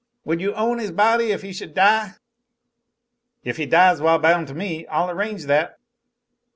"Would you own his body if he should die?" "If he dies while bound to me, I'll arrange that."